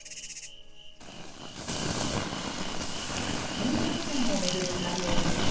飲食店を巡る対応です。